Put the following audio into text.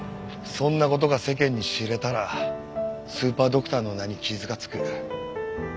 そんな事が世間に知れたらスーパードクターの名に傷がつく。